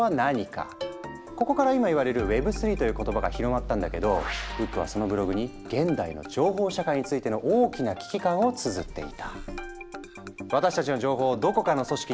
ここから今言われるＷｅｂ３という言葉が広まったんだけどウッドはそのブログに現代の情報社会についての大きな危機感をつづっていた。